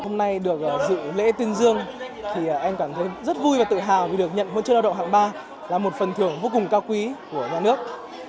hôm nay được dự lễ tuyên dương thì em cảm thấy rất vui và tự hào vì được nhận huân chương lao động hạng ba là một phần thưởng vô cùng cao quý của nhà nước